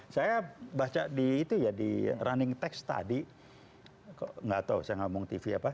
saya baca di running text tadi enggak tahu saya ngomong tv apa